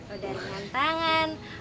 udah ringan tangan